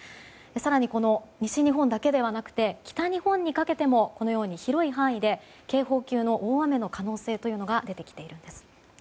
更に、西日本だけではなくて北日本にかけても広い範囲で警報級の大雨の可能性が出てきているんです。